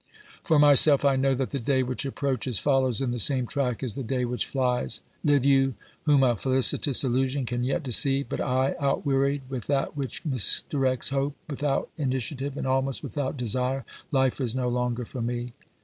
For myself, I know that the day which approaches follows in the same track as the day which files. Live you, whom a felicitous illusion can yet deceive ; but I, outwearied with that which misdirects hope, without initiative and almost without desire, life is no longer for me.